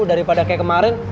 daripada kayak kemarin